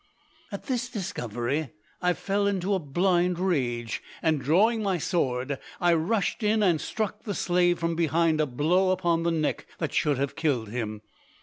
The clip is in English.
"At this discovery I fell into a blind rage, and drawing my sword I rushed in and struck the slave from behind a blow upon the neck that should have killed him.